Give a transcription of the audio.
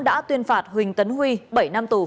đã tuyên phạt huỳnh tấn huy bảy năm tù